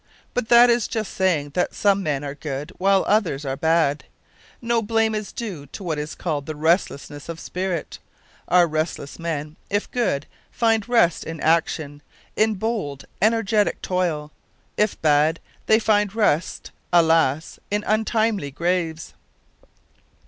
But that is just saying that some men are good, while others are bad no blame is due to what is called the restlessness of spirit. Our restless men, if good, find rest in action; in bold energetic toil; if bad, they find rest, alas! in untimely graves.